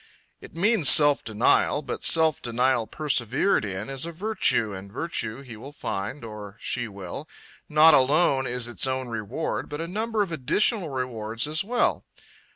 It means self denial but self denial persevered in is a virtue, and virtue he will find or she will not alone is its own reward but a number of additional rewards as well.